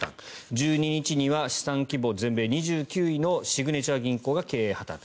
１２日には資産規模全米２９位のシグネチャー銀行が経営破たん。